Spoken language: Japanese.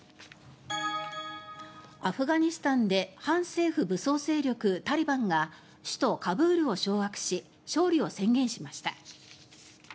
アフガニスタンで反政府武装勢力タリバンが首都カブールを掌握し勝利を宣言しました。